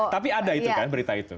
tapi ada itu kan berita itu